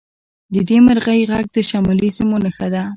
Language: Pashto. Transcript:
د دې مرغۍ غږ د شمالي سیمو نښه ده